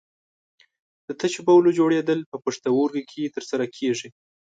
د تشو بولو جوړېدل په پښتورګو کې تر سره کېږي.